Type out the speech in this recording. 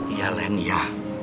iya len ya